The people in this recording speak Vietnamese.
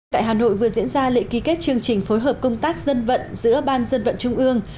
tại hà nội vừa diễn ra lễ ký kết chương trình phối hợp công tác dân vận giữa ban dân vận trung ương